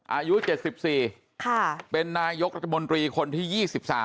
อายุ๗๔เป็นนายกรัฐมนตรีคนที่๒๓